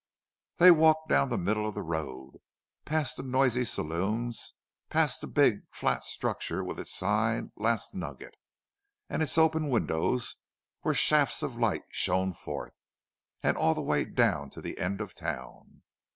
They walked down the middle of the road, past the noisy saloons, past the big, flat structure with its sign "Last Nugget" and its open windows, where shafts of light shone forth, and all the way down to the end of town.